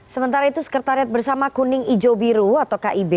sementara itu sekretariat bersama kuning hijau biru atau kib